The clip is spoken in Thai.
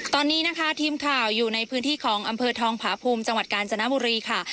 ตอนนี้นะคะทีมข่าวอยู่ในพื้นที่ของอำเภอทองผาภูมิจังหวัดกาญจนบุรีค่ะ